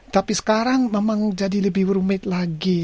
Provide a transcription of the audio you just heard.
tapi sekarang memang jadi lebih rumit lagi